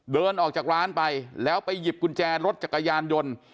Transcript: เดินออกจากร้านไปแล้วไปหยิบกุญแจรถจักรยานยนต์